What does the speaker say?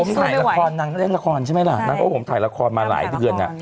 ผมไม่ไหวนางน่าเล่นละครใช่ไหมแหละใช่แล้วเพราะผมถ่ายละครมาหลายเดือนน่ะ